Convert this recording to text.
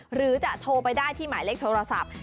หรือจะโทรไปได้ที่หมายเลขโทรศัพท์